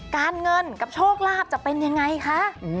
การเงินกับโชคลาภจะเป็นยังไงคะ